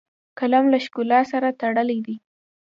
قلم له ښکلا سره تړلی دی